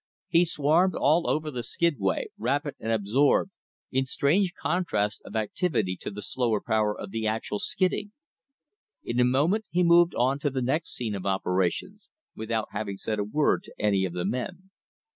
He swarmed all over the skidway, rapid and absorbed, in strange contrast of activity to the slower power of the actual skidding. In a moment he moved on to the next scene of operations without having said a word to any of the men.